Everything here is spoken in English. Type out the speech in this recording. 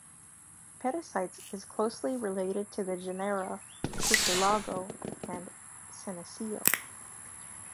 "Petasites" is closely related to the genera "Tussilago" and "Senecio".